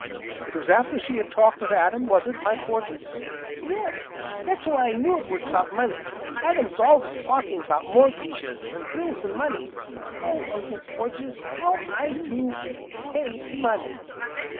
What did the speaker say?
"It was after she had talked with Adam, was it, my Porges?" "Yes, that's why I knew it was 'bout money; Adam's always talking 'bout morgyges, an' bills, an' money. Oh Uncle Porges, how I do hate money!"